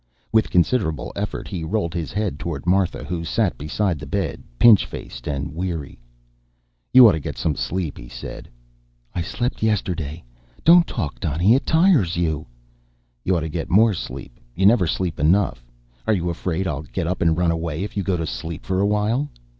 With considerable effort, he rolled his head toward Martha who sat beside the bed, pinch faced and weary. "You ought to get some sleep," he said. "I slept yesterday. Don't talk, Donny. It tires you." "You ought to get more sleep. You never sleep enough. Are you afraid I'll get up and run away if you go to sleep for a while?"